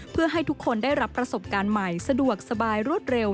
เพื่อให้ทุกคนได้รับประสบการณ์ใหม่สะดวกสบายรวดเร็ว